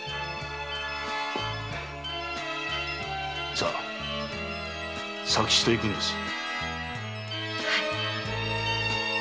さ佐吉と行くんですよ。